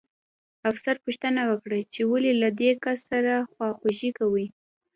افسر پوښتنه وکړه چې ولې له دې کس سره خواخوږي کوئ